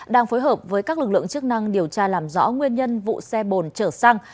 đang phối hợp với các lực lượng chức năng điều tra làm rõ nguyên nhân vụ xe bồn chở xăng